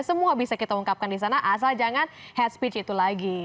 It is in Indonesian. semua bisa kita ungkapkan di sana asal jangan head speech itu lagi